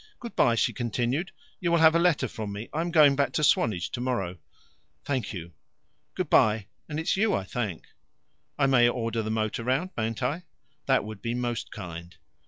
"Good bye," she continued. "You will have a letter from me I am going back to Swanage tomorrow. "Thank you." "Good bye, and it's you I thank." "I may order the motor round, mayn't I?" "That would be most kind."